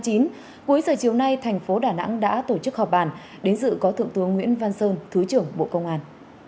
cuối giờ chiều nay thành phố đà nẵng đã tổ chức họp bàn đến dự có thượng tướng nguyễn văn sơn thứ trưởng bộ công an